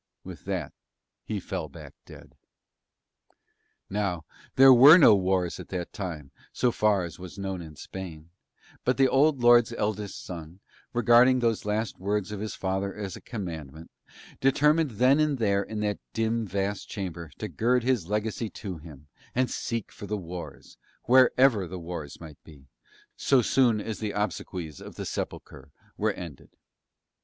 With that he fell back dead. Now there were no wars at that time so far as was known in Spain, but that old lord's eldest son, regarding those last words of his father as a commandment, determined then and there in that dim, vast chamber to gird his legacy to him and seek for the wars, wherever the wars might be, so soon as the obsequies of the sepulture were ended.